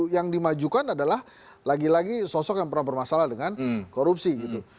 yang dimajukan adalah lagi lagi sosok yang pernah bermasalah dengan korupsi gitu